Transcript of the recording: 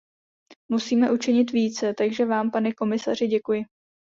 Musíme učinit více, takže Vám, pane komisaři, děkuji.